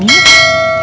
tidak ada money